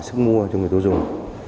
sức mua cho người tiêu dùng